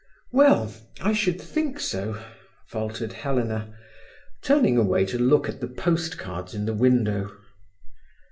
"Well, I should think so," faltered Helena, turning away to look at the postcards in the window.